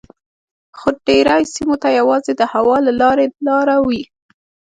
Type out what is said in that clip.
خو ډیری سیمو ته یوازې د هوا له لارې لاره وي